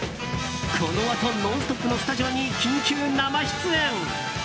このあと「ノンストップ！」のスタジオに緊急生出演。